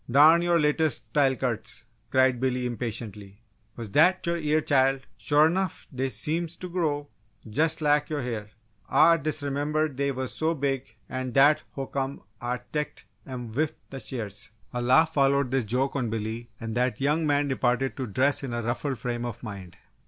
Darn your latest style cuts!" cried Billy impatiently. "Wuz dat yo' eah, Chile? Shore 'nuff dey seems to grow jus' lak yo' ha'r! Ah disremembered dey wuz so big, an' dat ho'come Ah teched 'em wif d' shears!" A laugh followed this joke on Billy and that young man departed to dress in a ruffled frame of mind.